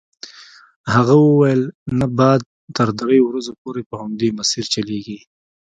هغه وویل نه باد تر دریو ورځو پورې پر همدې مسیر چلیږي.